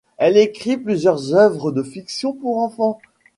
Elle écrit plusieurs œuvres de fiction pour enfants.